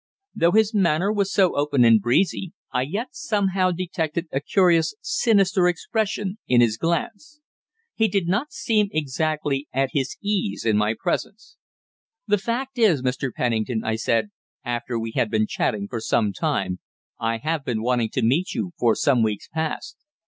Though his manner was so open and breezy, I yet somehow detected a curious sinister expression in his glance. He did not seem exactly at his ease in my presence. "The fact is, Mr. Pennington," I said, after we had been chatting for some time, "I have been wanting to meet you for some weeks past.